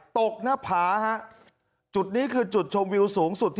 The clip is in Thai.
ตกหน้าผาฮะจุดนี้คือจุดชมวิวสูงสุด